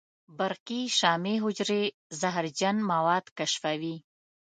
برقي شامي حجرې زهرجن مواد کشفوي.